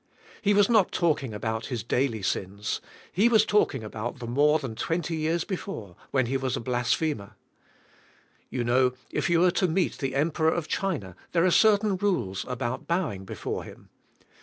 He was not talking about his daily sins. He was talking about the more than twenty years before, when he was a blasphemer. You know, if you are to meet the Kmperor of China there are certain rules about bowing before him.